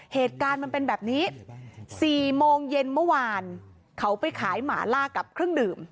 เหตุการณ์มันเป็นแบบนี้๔โมงเย็นเมื่อวานเขาไปขายหมาล่ากับเครื่องดื่ม